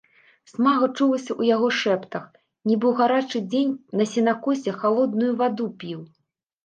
Смага чулася ў яго шэптах, нібы ў гарачы дзень на сенакосе халодную ваду піў.